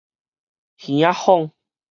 耳仔訪